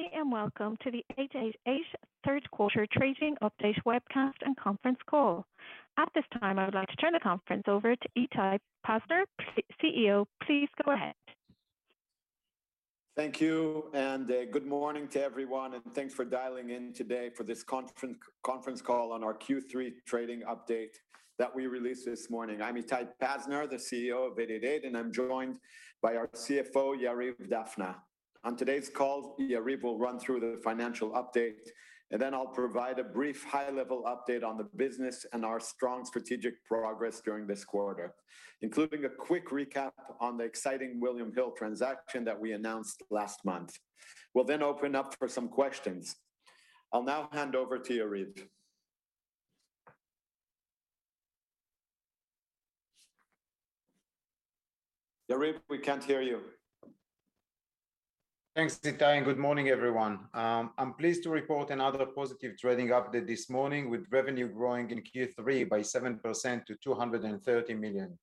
Good day. Welcome to the 888 third quarter trading update webcast and conference call. At this time, I would like to turn the conference over to Itai Pazner, CEO. Please go ahead. Thank you. Good morning to everyone, thanks for dialing in today for this conference call on our Q3 trading update that we released this morning. I'm Itai Pazner, the CEO of 888. I'm joined by our CFO, Yariv Dafna. On today's call, Yariv will run through the financial update. Then I'll provide a brief high-level update on the business and our strong strategic progress during this quarter, including a quick recap on the exciting William Hill transaction that we announced last month. We'll open up for some questions. I'll now hand over to Yariv. Yariv, we can't hear you. Thanks, Itai. Good morning, everyone. I'm pleased to report another positive trading update this morning, with revenue growing in Q3 by 7% to 230 million.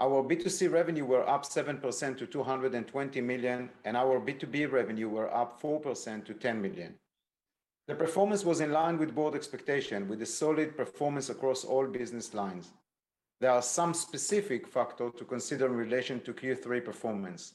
Our B2C revenue was up 7% to 220 million, and our B2B revenue was up 4% to 10 million. The performance was in line with Board expectations, with a solid performance across all business lines. There are some specific factors to consider in relation to Q3 performance.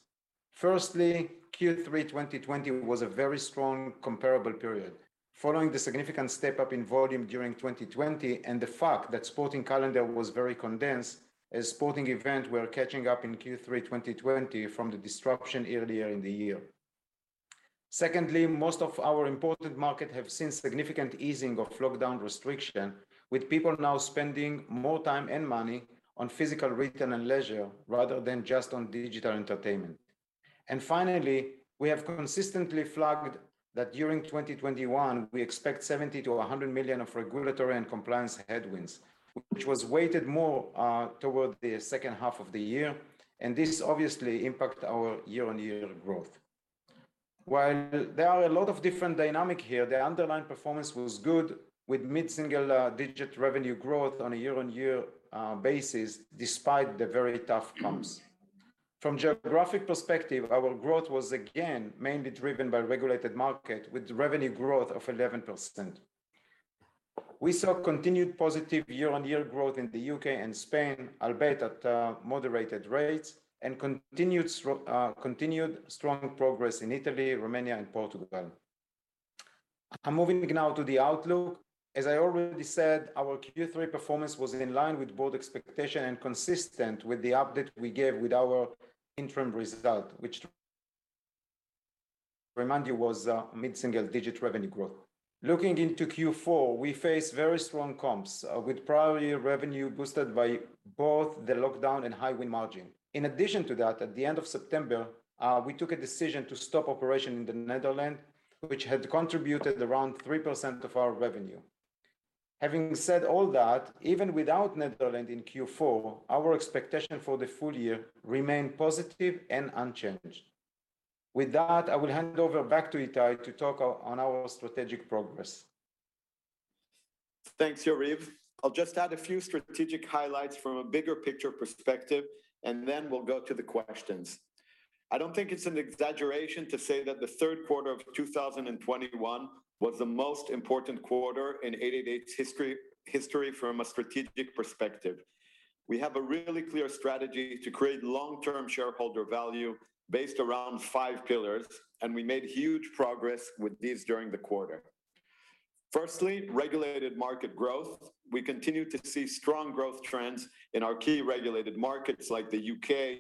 Firstly, Q3 2020 was a very strong comparable period following the significant step-up in volume during 2020 and the fact that sporting calendar was very condensed as sporting events were catching up in Q3 2020 from the disruption earlier in the year. Secondly, most of our important markets have seen significant easing of lockdown restrictions, with people now spending more time and money on physical retail and leisure rather than just on digital entertainment. Finally, we have consistently flagged that during 2021, we expect 70 million-100 million of regulatory and compliance headwinds, which was weighted more towards the second half of the year. This obviously impact our year-on-year growth. While there are a lot of different dynamic here, the underlying performance was good, with mid-single-digit revenue growth on a year-on-year basis despite the very tough comps. From geographic perspective, our growth was again mainly driven by regulated market with revenue growth of 11%. We saw continued positive year-on-year growth in the U.K. and Spain, albeit at moderated rates, and continued strong progress in Italy, Romania, and Portugal. I'm moving now to the outlook. As I already said, our Q3 performance was in line with Board expectation and consistent with the update we gave with our interim result, which to remind you was mid-single-digit revenue growth. Looking into Q4, we face very strong comps with prior year revenue boosted by both the lockdown and high win margin. In addition to that, at the end of September, we took a decision to stop operation in the Netherlands, which had contributed around 3% of our revenue. Having said all that, even without Netherlands in Q4, our expectation for the full year remained positive and unchanged. With that, I will hand over back to Itai to talk on our strategic progress. Thanks, Yariv. I'll just add a few strategic highlights from a bigger picture perspective, and then we'll go to the questions. I don't think it's an exaggeration to say that the third quarter of 2021 was the most important quarter in 888's history from a strategic perspective. We have a really clear strategy to create long-term shareholder value based around five pillars, and we made huge progress with these during the quarter. Firstly, regulated market growth. We continue to see strong growth trends in our key regulated markets like the U.K.,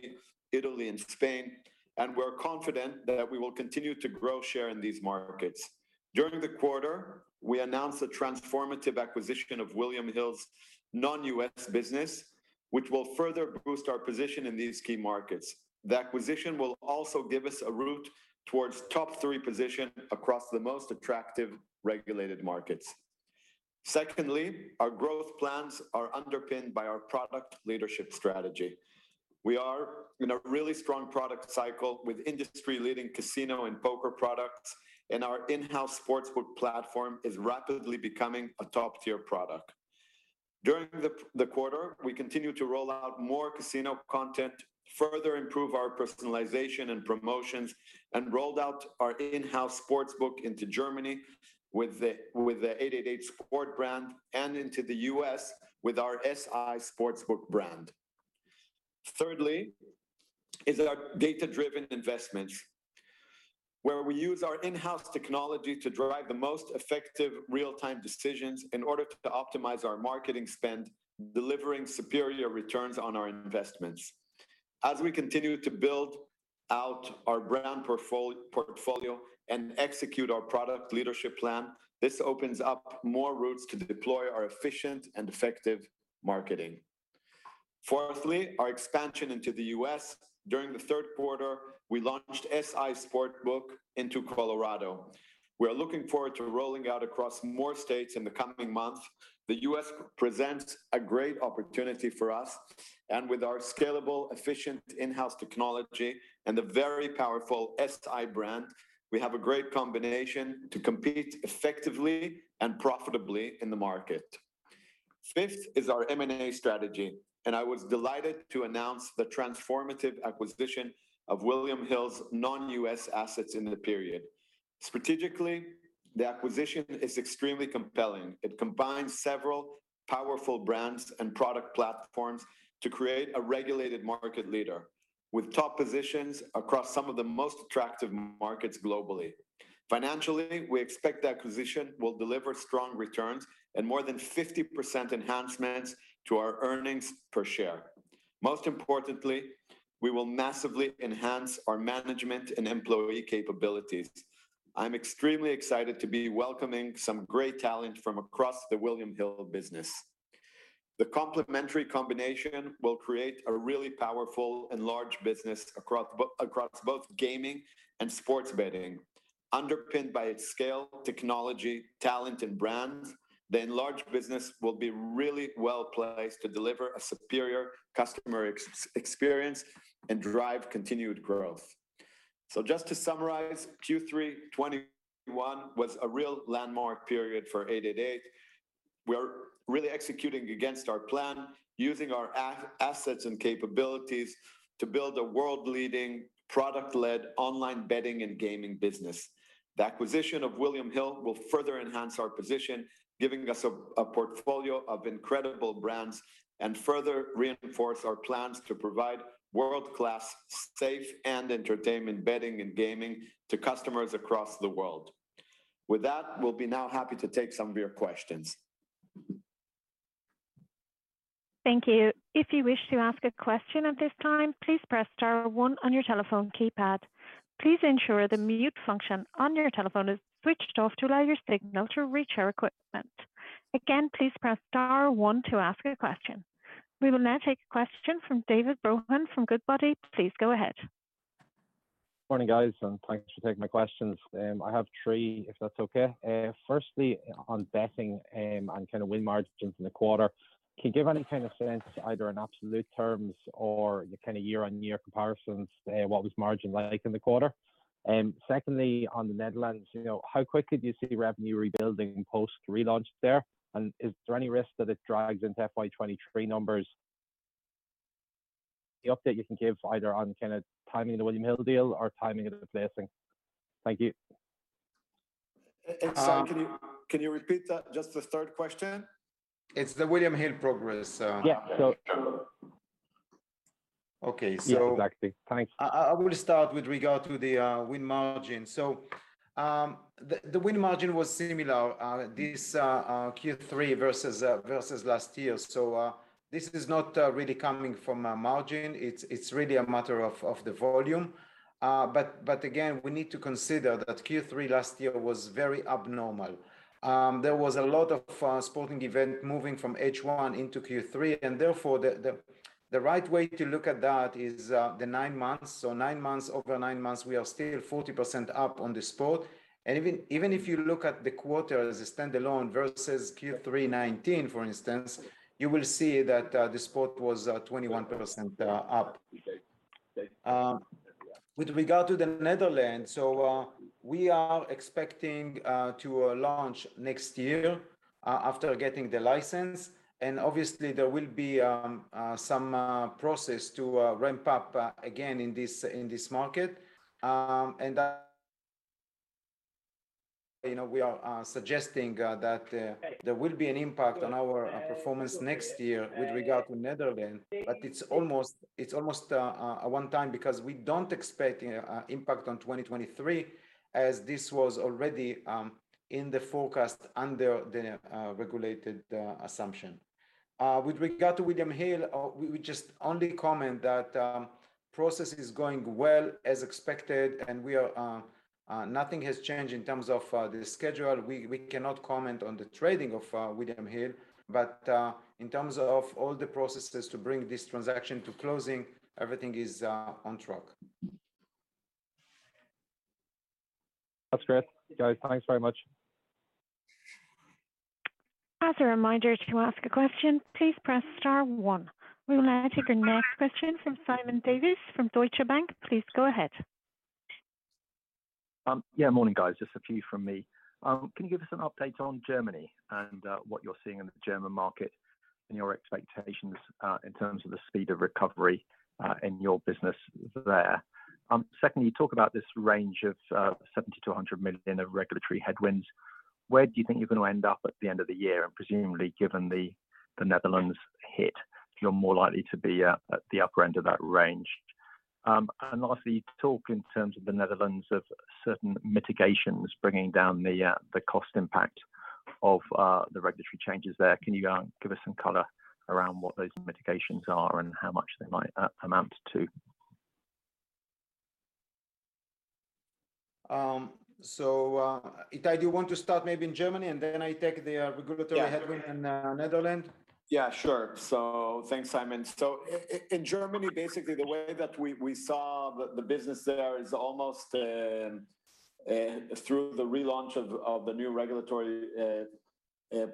Italy, and Spain, and we're confident that we will continue to grow share in these markets. During the quarter, we announced the transformative acquisition of William Hill's non-U.S. business, which will further boost our position in these key markets. The acquisition will also give us a route towards top three position across the most attractive regulated markets. Secondly, our growth plans are underpinned by our product leadership strategy. We are in a really strong product cycle with industry-leading casino and poker products, and our in-house sportsbook platform is rapidly becoming a top-tier product. During the quarter, we continued to roll out more casino content, further improve our personalization and promotions, and rolled out our in-house sportsbook into Germany with the 888sport brand and into the U.S. with our SI Sportsbook brand. Thirdly is our data-driven investments where we use our in-house technology to drive the most effective real-time decisions in order to optimize our marketing spend, delivering superior returns on our investments. As we continue to build out our brand portfolio and execute our product leadership plan, this opens up more routes to deploy our efficient and effective marketing. Fourthly, our expansion into the U.S. During the third quarter, we launched SI Sportsbook into Colorado. We are looking forward to rolling out across more states in the coming months. The U.S. presents a great opportunity for us, and with our scalable, efficient in-house technology and the very powerful SI brand, we have a great combination to compete effectively and profitably in the market. Fifth is our M&A strategy, and I was delighted to announce the transformative acquisition of William Hill's non-U.S. assets in the period. Strategically, the acquisition is extremely compelling. It combines several powerful brands and product platforms to create a regulated market leader with top positions across some of the most attractive markets globally. Financially, we expect the acquisition will deliver strong returns and more than 50% enhancements to our earnings per share. Most importantly, we will massively enhance our management and employee capabilities. I'm extremely excited to be welcoming some great talent from across the William Hill business. The complementary combination will create a really powerful and large business across both gaming and sports betting. Underpinned by its scale, technology, talent, and brands, the enlarged business will be really well-placed to deliver a superior customer experience and drive continued growth. Just to summarize, Q3 2021 was a real landmark period for 888. We are really executing against our plan using our assets and capabilities to build a world-leading product-led online betting and gaming business. The acquisition of William Hill will further enhance our position, giving us a portfolio of incredible brands and further reinforce our plans to provide world-class safe and entertainment betting and gaming to customers across the world. With that, we will be now happy to take some of your questions. Thank you. If you wish to ask a question at this time, please press star one on your telephone keypad. Please ensure the mute function on your telephone is switched off to allow your signal to reach our equipment. Again, please press star one to ask a question. We will now take a question from David Brohan from Goodbody. Please go ahead. Morning, guys. Thanks for taking my questions. I have three, if that's okay. Firstly, on betting and win margins in the quarter. Can you give any kind of sense, either in absolute terms or year-on-year comparisons, what was margin like in the quarter? Secondly, on the Netherlands, how quickly do you see revenue rebuilding post-relaunch there? Is there any risk that it drags into FY 2023 numbers? The update you can give either on timing of the William Hill deal or timing of the placing. Thank you. David, can you repeat that, just the third question? It's the William Hill progress. Yeah. Okay. Yeah, exactly. Thanks. I will start with regard to the win margin. The win margin was similar this Q3 versus last year. This is not really coming from a margin. It's really a matter of the volume. Again, we need to consider that Q3 last year was very abnormal. There was a lot of sporting event moving from H1 into Q3, and therefore the right way to look at that is the nine months. Over nine months, we are still 40% up on the sport. Even if you look at the quarter as a standalone versus Q3 2019, for instance, you will see that the sport was 21% up. With regard to the Netherlands, we are expecting to launch next year after getting the license. Obviously, there will be some process to ramp up again in this market. We are suggesting that there will be an impact on our performance next year with regard to Netherlands, but it's almost a one time because we don't expect impact on 2023 as this was already in the forecast under the regulated assumption. With regard to William Hill, we just only comment that process is going well as expected and nothing has changed in terms of the schedule. We cannot comment on the trading of William Hill, but in terms of all the processes to bring this transaction to closing, everything is on track. That's great. Guys, thanks very much. As a reminder, to ask a question, please press star one. We will now take our next question from Simon Davies from Deutsche Bank. Please go ahead. Morning, guys, just a few from me. Can you give us an update on Germany and what you're seeing in the German market and your expectations in terms of the speed of recovery in your business there? Secondly, you talk about this range of 70 million-100 million of regulatory headwinds. Where do you think you're going to end up at the end of the year? Presumably, given the Netherlands hit, you're more likely to be at the upper end of that range. Lastly, you talk in terms of the Netherlands of certain mitigations bringing down the cost impact of the regulatory changes there. Can you give us some color around what those mitigations are and how much they might amount to? Itai, do you want to start maybe in Germany and then I take the regulatory. Yeah. Headwind in Netherlands? Yeah, sure. Thanks, Simon. In Germany, basically the way that we saw the business there through the relaunch of the new regulatory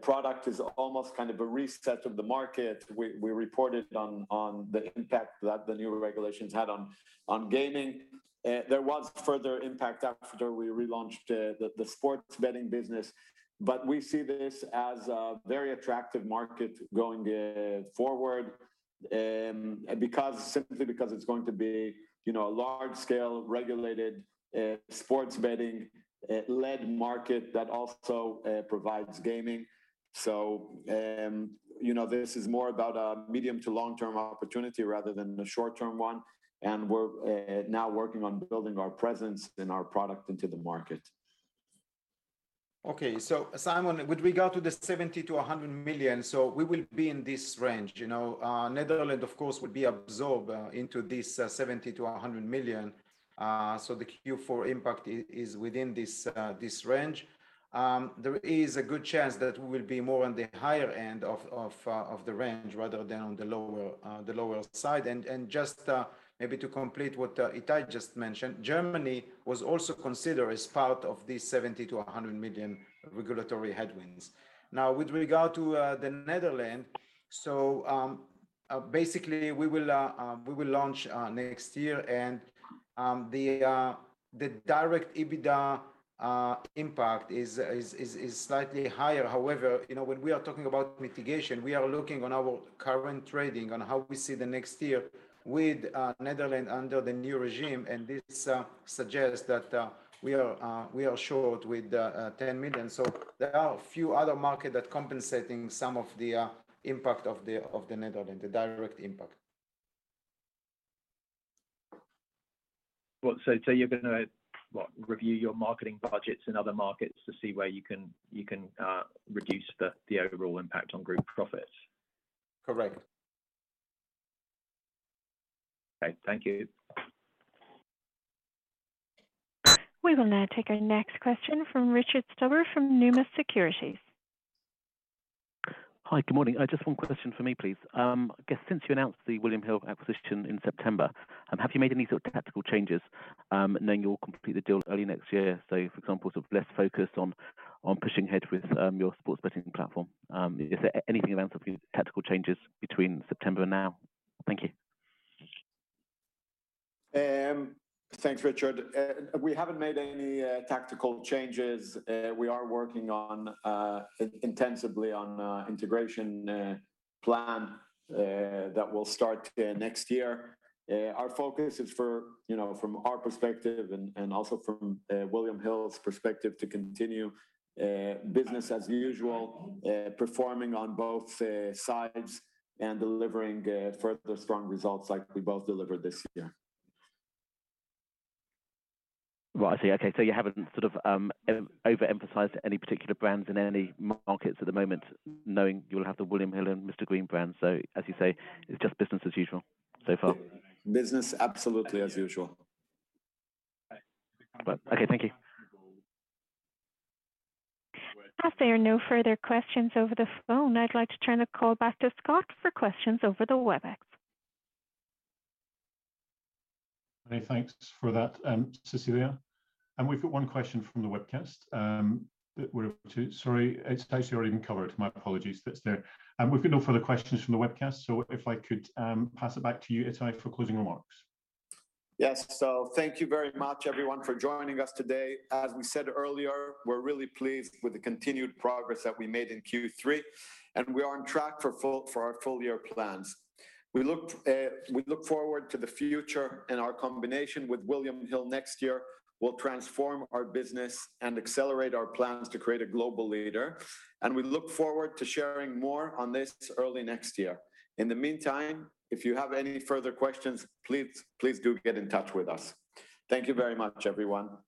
product is almost a reset of the market. We reported on the impact that the new regulations had on gaming. There was further impact after we relaunched the sports betting business. We see this as a very attractive market going forward simply because it's going to be a large-scale regulated sports betting-led market that also provides gaming. This is more about a medium to long-term opportunity rather than a short-term one, and we're now working on building our presence and our product into the market. Simon, with regard to the 70 million-100 million, we will be in this range. Netherlands, of course, would be absorbed into this 70 million-100 million. The Q4 impact is within this range. There is a good chance that we will be more on the higher end of the range rather than on the lower side. Just maybe to complete what Itai just mentioned, Germany was also considered as part of the 70 million-100 million regulatory headwinds. With regard to the Netherlands, basically we will launch next year and the direct EBITDA impact is slightly higher. When we are talking about mitigation, we are looking on our current trading on how we see the next year with Netherlands under the new regime, and this suggests that we are short with 10 million. There are a few other markets that compensating some of the impact of the Netherlands, the direct impact. Well, you're going to, what, review your marketing budgets in other markets to see where you can reduce the overall impact on group profits? Correct. Okay. Thank you. We will now take our next question from Richard Stuber from Numis Securities. Hi, good morning. Just one question from me, please. I guess since you announced the William Hill acquisition in September, have you made any sort of tactical changes, knowing you'll complete the deal early next year? For example, less focus on pushing ahead with your sports betting platform. Is there anything around sort of tactical changes between September and now? Thank you. Thanks, Richard. We haven't made any tactical changes. We are working intensively on integration plan that will start next year. Our focus is, from our perspective and also from William Hill's perspective, to continue business as usual, performing on both sides and delivering further strong results like we both delivered this year. Right. I see. Okay, you haven't overemphasized any particular brands in any markets at the moment, knowing you'll have the William Hill and Mr Green brand. As you say, it's just business as usual so far. Business absolutely as usual. Okay. Thank you. As there are no further questions over the phone, I'd like to turn the call back to Scott for questions over the Webex. Many thanks for that, Cecilia. We've got one question from the webcast, that Sorry, Itai's already covered. My apologies for it's there. We've got no further questions from the webcast, so if I could pass it back to you, Itai, for closing remarks. Yes. Thank you very much, everyone, for joining us today. As we said earlier, we're really pleased with the continued progress that we made in Q3. We are on track for our full-year plans. We look forward to the future. Our combination with William Hill next year will transform our business and accelerate our plans to create a global leader. We look forward to sharing more on this early next year. In the meantime, if you have any further questions, please do get in touch with us. Thank you very much, everyone.